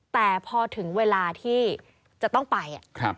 แต่พอถึงเวลาที่จะต้องไป